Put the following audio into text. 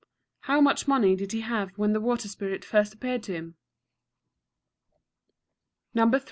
How much money did he have when the water spirit first appeared to him? No.